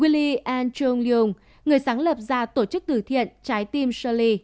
willie andrew leung người sáng lập ra tổ chức tử thiện trái tim shirley